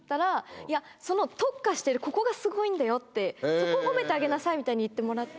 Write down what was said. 「そこを褒めてあげなさい」みたいに言ってもらって。